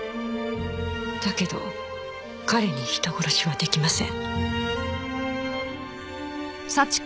だけど彼に人殺しは出来ません。